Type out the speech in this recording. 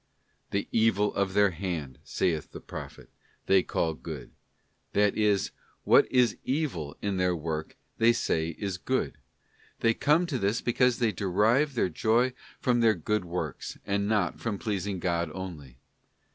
' The evil of their hand,' saith the Prophet, 'they call good ;'* that is, what is evil in their work they say is good. And they come to this because they derive their joy from their good works, and not from pleasing God only.